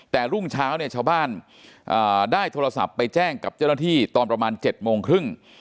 แต่รุ่งเช้าเนี่ยชาวบ้านได้โทรศัพท์ไปแจ้งกับเจ้าหน้าที่ตอนประมาณ๗โมงครึ่ง